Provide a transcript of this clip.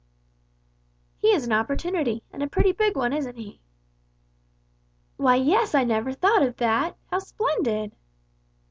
"He is an opportunity, and a pretty big one, isn't he?" "Why, yes; I never thought of that! How splendid!"